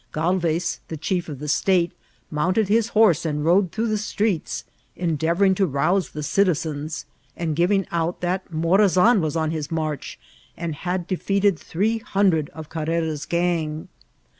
Galvez, the chief of the state, mounted his horse, and rode through the streets, en deavouring to rouse the eitizetns, and giving out that Morazan was on his march, and had defeated three hundred of Carrera's gang.